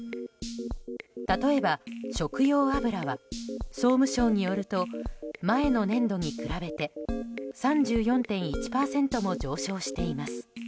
例えば、食用油は総務省によると前の年度に比べて３４．１％も上昇しています。